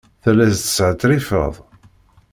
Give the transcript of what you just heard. Telliḍ teshetrifeḍ.